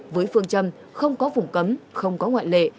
với phương châm không có vùng cấm không có ngoại lệ